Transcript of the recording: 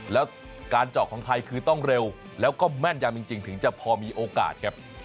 แล้วการเจาะของไทยคือต้องเร็วแล้วก็แม่นยำจริงถึงจะพอมีโอกาสครับ